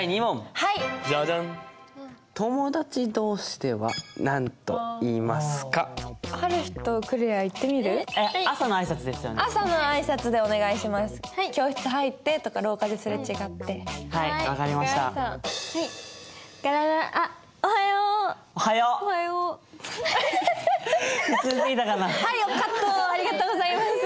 はいカットありがとうございます。